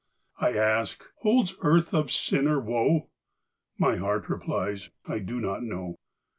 I ask, "Holds earth of sin, or woe?" My heart replies, "I do not know."